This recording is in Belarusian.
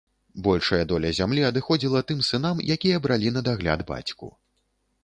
Большая доля зямлі адыходзіла тым сынам, якія бралі на дагляд бацьку.